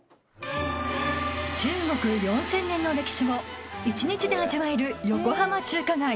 ［中国４，０００年の歴史を１日で味わえる横浜中華街］